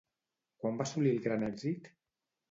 Quan va assolir el gran èxit?